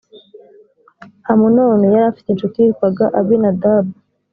amunoni yari afite incuti yitwaga abinadabu